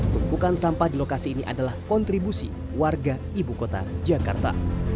tumpukan sampah di lokasi ini adalah kontribusi warga ibu kota jakarta